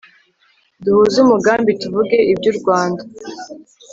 duhuze umugambi tuvuge iby'u rwanda